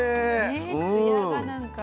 ねつやがなんか。